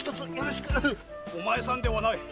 お前さんではない。